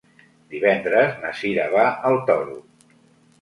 Divendres na Cira va al Toro.